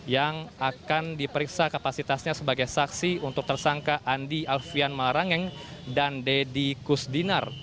yang akan diperiksa kapasitasnya sebagai saksi untuk tersangka andi alfian marangeng dan deddy kusdinar